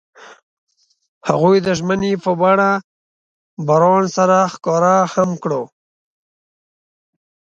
هغوی د ژمنې په بڼه باران سره ښکاره هم کړه.